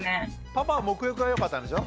パパはもく浴がよかったんでしょ。